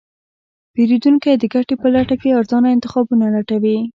پیرودونکی د ګټې په لټه کې ارزانه انتخابونه لټوي.